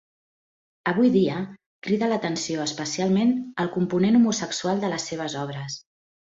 Avui dia, crida l'atenció especialment el component homosexual de les seves obres.